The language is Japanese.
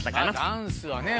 ダンスはね